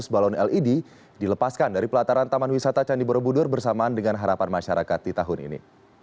dua ratus balon led dilepaskan dari pelataran taman wisata candi borobudur bersamaan dengan harapan masyarakat di tahun ini